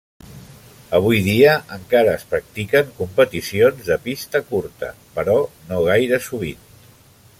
Avui dia encara es practiquen competicions de pista curta, però no gaire sovint.